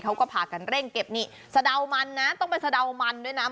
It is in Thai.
เขาก็พากันเร่งเก็บสะดาวมันต้องเป็นสะดาวมันด้วยนะ